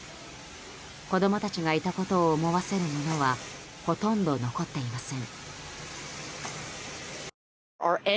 子供たちがいたことを思わせるものはほとんど残っていません。